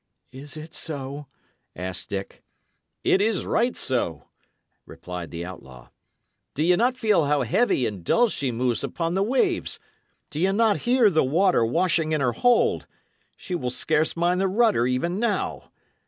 "Is it so?" asked Dick. "It is right so," replied the outlaw. "Do ye not feel how heavy and dull she moves upon the waves? Do ye not hear the water washing in her hold? She will scarce mind the rudder even now.